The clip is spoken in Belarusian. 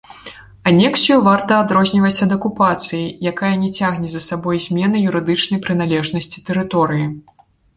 Анексію варта адрозніваць ад акупацыі, якая не цягне за сабой змены юрыдычнай прыналежнасці тэрыторыі.